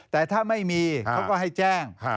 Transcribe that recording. แต่ถ้าไม่มีเขาก็ให้แจ้ง